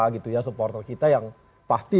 gitu ya supporter kita yang pasti